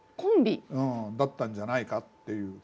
だったんじゃないかっていう事ですよね。